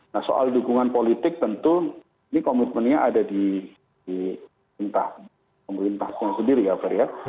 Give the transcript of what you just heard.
nah soal dukungan politik tentu ini komitmennya ada di pemerintah sendiri ya pak ria